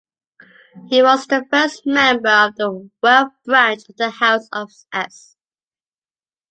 He was the first member of the Welf branch of the House of Este.